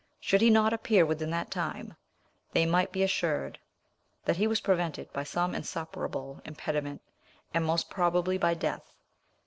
Should he not appear within that time, they might be assured that he was prevented by some insuperable impediment, and most probably by death.